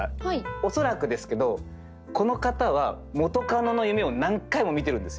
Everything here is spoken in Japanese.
恐らくですけどこの方は元カノの夢を何回も見てるんですよ。